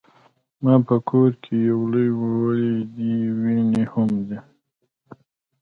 زما په کور کې يو لوی غولی دی ونې هم دي